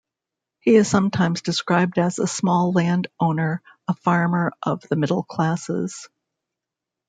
He is sometimes described as a small landowner, a farmer of the middle classes.